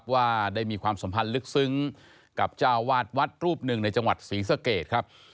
ว่าได้มีความสัมพันธ์ลึกซึ้งกับเจ้าวาดวัดรูปหนึ่งในจังหวัดศรีสเกตครับ